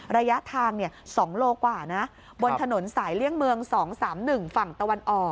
ระยะทาง๒โลกว่านะบนถนนสายเลี่ยงเมือง๒๓๑ฝั่งตะวันออก